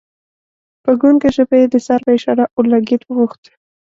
په ګنګه ژبه یې د سر په اشاره اورلګیت وغوښت.